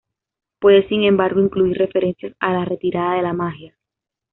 Puede, sin embargo, incluir referencias a la retirada de la magia.